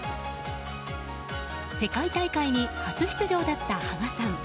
世界大会に初出場だった芳我さん。